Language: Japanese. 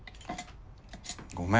ごめん。